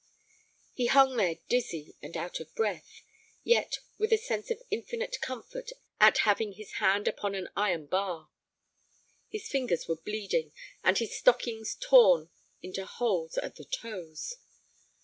He hung there dizzy and out of breath, yet with a sense of infinite comfort at having his hand upon an iron bar. His fingers were bleeding, and his stockings torn into holes at the toes.